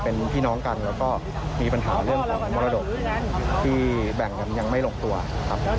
เป็นพี่น้องกันแล้วก็มีปัญหาเรื่องของมรดกที่แบ่งกันยังไม่ลงตัวครับ